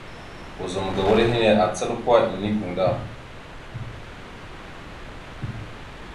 Ozum ga wal henne acal kwa enekweŋ da.